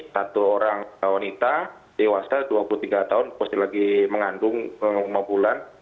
satu orang wanita dewasa dua puluh tiga tahun pasti lagi mengandung lima bulan